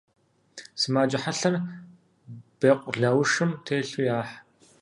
Сымаджэ хьэлъэр бэкъулаушым телъу яхь.